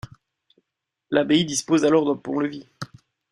L’abbaye dispose alors d’un pont-levis.